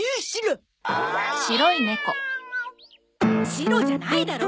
シロじゃないだろ！